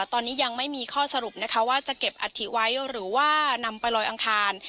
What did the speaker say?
ตอนนี้ยังไม่มีข้อสรุปนะคะว่าจะเก็บอัฐิไว้หรือว่านำไปลอยอังคาร